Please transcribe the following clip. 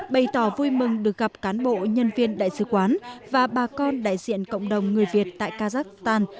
bày tỏ vui mừng được gặp cán bộ nhân viên đại sứ quán và bà con đại diện cộng đồng người việt tại kazakhstan